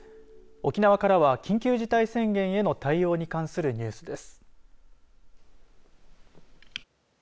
沖縄からは緊急事態宣言への対応に関するニュースです。